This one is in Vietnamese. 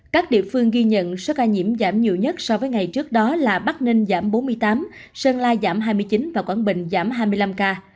các địa phương ghi nhận số ca nhiễm giảm nhiều nhất so với ngày trước đó là bắc ninh giảm bốn mươi tám sơn la giảm hai mươi chín và quảng bình giảm hai mươi năm ca